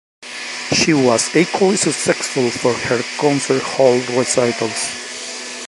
She was equally successful for her concert hall recitals.